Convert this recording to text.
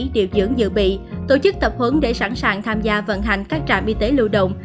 điều dưỡng dự bị tổ chức tập huấn để sẵn sàng tham gia vận hành các trạm y tế lưu động